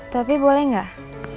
tapi boleh gak